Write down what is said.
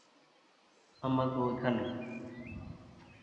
আমার বউ এখানে।